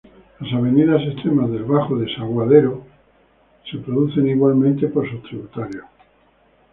Las avenidas extremas del Bajo Desaguadero son producidas igualmente por sus tributarios.